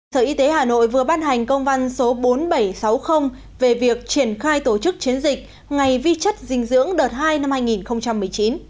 sở y tế hà nội vừa ban hành công văn số bốn nghìn bảy trăm sáu mươi về việc triển khai tổ chức chiến dịch ngày vi chất dinh dưỡng đợt hai năm hai nghìn một mươi chín